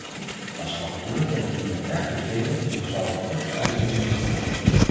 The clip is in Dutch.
Als rapporteur ben ik hiermee erg tevreden en ik zal u kort uiteenzetten waarom.